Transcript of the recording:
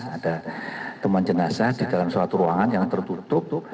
ada temuan jenazah di dalam suatu ruangan yang tertutup